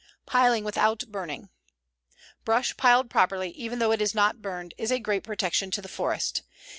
"Piling Without Burning "Brush piled properly, even though it is not burned, is a great protection to the forest.